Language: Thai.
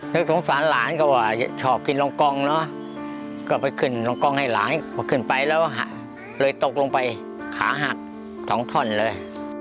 สงสารหลานก็ว่าชอบกินรองกองเนอะก็ไปขึ้นรองกล้องให้หลานพอขึ้นไปแล้วเลยตกลงไปขาหักสองท่อนเลย